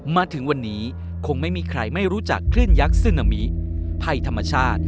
มาถึงวันนี้คงไม่มีใครไม่รู้จักคลื่นยักษ์ซึนามิภัยธรรมชาติ